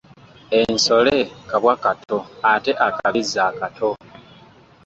Ensole kabwa kato ate akabizzi akato?